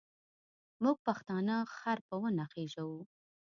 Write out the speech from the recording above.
موږ پښتانه خر په ونه خېزوو.